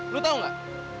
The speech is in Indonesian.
lu tau gak